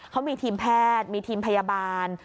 เขามีทีมแพทย์มีทีมพยาบาล